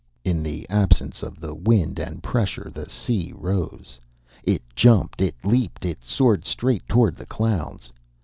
In the absence of the wind and pressure the sea rose. It jumped, it leaped, it soared straight toward the clouds.